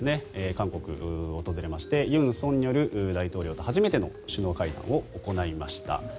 韓国を訪れまして尹錫悦大統領と初めての首脳会談を行いました。